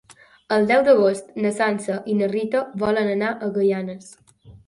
El deu d'agost na Sança i na Rita volen anar a Gaianes.